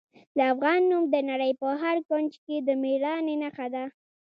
د افغان نوم د نړۍ په هر کونج کې د میړانې نښه ده.